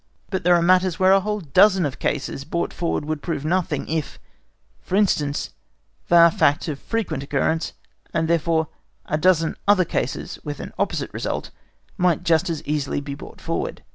But there are matters where a whole dozen of cases brought forward would prove nothing, if, for instance, they are facts of frequent occurrence, and therefore a dozen other cases with an opposite result might just as easily be brought forward.